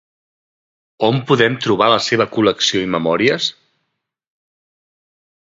On podem trobar la seva col·lecció i memòries?